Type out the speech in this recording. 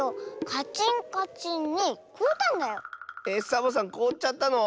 サボさんこおっちゃったの？